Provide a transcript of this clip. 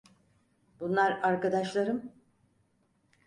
Bunlar arkadaşlarım.